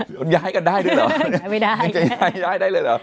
ย้ายกันได้ด้วยหรอไม่ได้ย้ายได้เลยหรอ